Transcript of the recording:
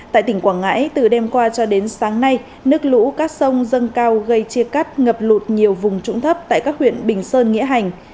tại tỉnh quảng ngãi từ đêm qua cho đến sáng nay nước lũ các sông dâng cao gây chia cắt ngập lụt nhiều vùng trũng thấp tại các huyện bình sơn nghĩa hành